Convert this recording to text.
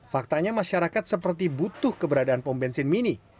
faktanya masyarakat seperti butuh keberadaan pom bensin mini